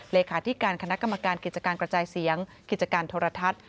เลขาธิการคณะกรรมการกิจการกระจายเสียงกิจการโทรทัศน์